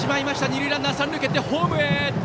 二塁ランナーはホームへ！